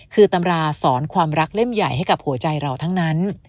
คือตำราสอนความรักเล่มใหญ่ให้กับหัวใจเราทั้งนั้น